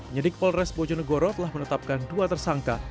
nyedik polres bojonegoro telah menetapkan dua tersangka